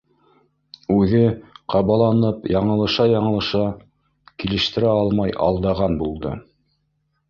Үҙе, ҡабаланып, яңылыша-яңылыша, килештерә алмай алдаған булды: